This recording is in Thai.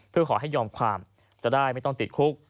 เพื่อขอให้ยอมความจะได้ไม่ต้องติดคุก